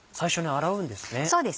そうですね。